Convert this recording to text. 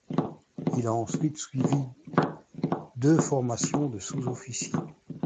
Il a ensuite suivi deux formations de sous-officier.